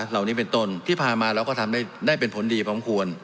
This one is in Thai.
เหล่านี้เป็นต้นที่ผ่านมาเราก็ทำได้เป็นผลดีพร้อมควร